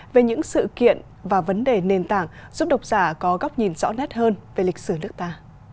về những sự kiện và vấn đề nền tảng giúp độc giả có góc nhìn rõ nét hơn về lịch sử nước ta